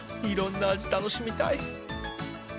いろんな味楽しみたい。